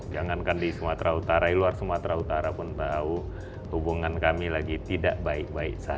jangankan di sumatera utara di luar sumatera utara pun tahu hubungan kami lagi tidak baik baik saja